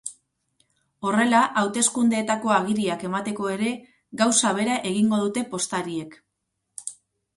Horrela, hauteskundeetako agiriak emateko ere, gauza bera egingo dute postariek.